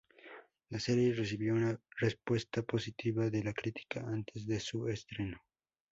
La serie recibió una respuesta positiva de la crítica antes de su estreno.